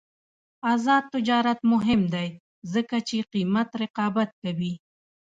آزاد تجارت مهم دی ځکه چې قیمت رقابت کوي.